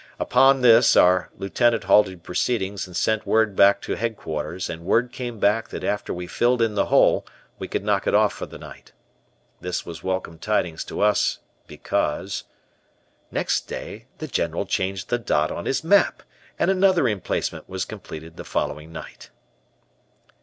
Upon this our Lieutenant halted proceedings and sent word back to headquarters and word came back that after we filled in the hole we could knock off for the night. This was welcome tidings to us, because Next day the General changed the dot on his map and another emplacement was completed the following night.